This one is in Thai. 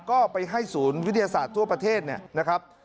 ก็ไปให้ศูนย์วิทยาศาสตร์ทั่วประเทศเนี่ยนะครับ